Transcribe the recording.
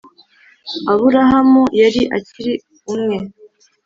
Aburahamu yari akiri umwe